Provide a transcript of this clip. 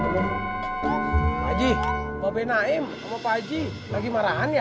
pak aji mbak be naim sama pak aji lagi marahan ya